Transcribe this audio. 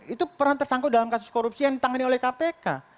itu peran tersangkut dalam kasus korupsi yang ditangani oleh kpk